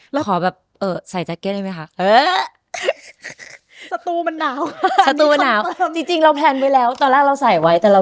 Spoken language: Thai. เราขอแบบใส่แจ็คเก็ตได้ไหมคะ